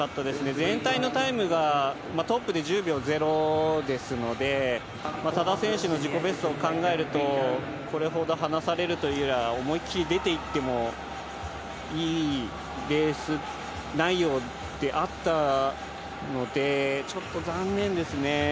全体のタイムがトップで１０秒０ですので、多田選手の自己ベストを考えるとこれほど離されるというよりは、思いっきり出て行ってもいいレース内容であったので、ちょっと残念ですね。